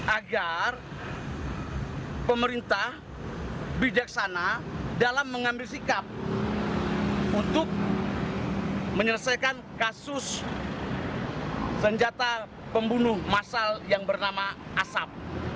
agar pemerintah bijaksana dalam mengambil sikap untuk menyelesaikan kasus senjata pembunuh masal yang bernama asap